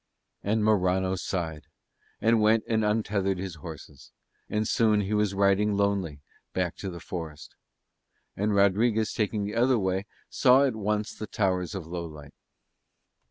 And Morano sighed, and went and untethered his horses; and soon he was riding lonely back to the forest. And Rodriguez taking the other way saw at once the towers of Lowlight.